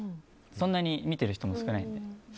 そんなに見てる人も少ないので。